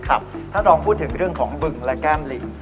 ถ้าลองพูดถึงเรื่องของบึงและแก้มลิง